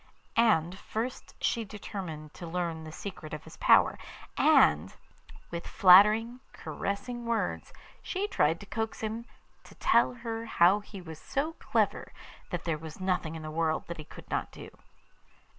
And first she determined to learn the secret of his power, and, with flattering, caressing words, she tried to coax him to tell her how he was so clever that there was nothing in the world that he could not do.